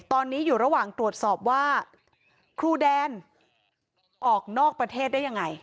ตอนนี้อยู่ระหว่างตรวจสอบว่าครูแดนออกนอกประเทศได้ยังไง